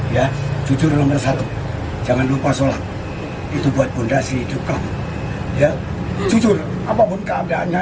ya jujur nomor satu jangan lupa sholat itu buat fondasi duka jujur apapun keadaannya